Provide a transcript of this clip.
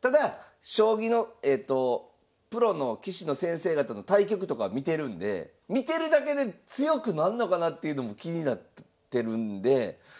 ただ将棋のプロの棋士の先生方の対局とか見てるんで見てるだけで強くなんのかなっていうのも気になってるんで。